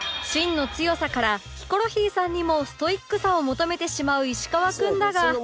芯の強さからヒコロヒーさんにもストイックさを求めてしまう石川君だが